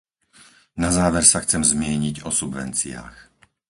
Na záver sa chcem zmieniť o subvenciách.